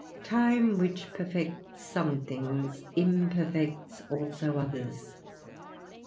Time, which perfects some things, imperfects also others.